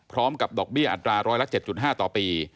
ดอกเบี้ยอัตราร้อยละ๗๕ต่อปี